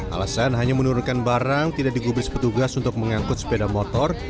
alasan hanya menurunkan barang tidak digubis petugas untuk mengangkut sepeda motor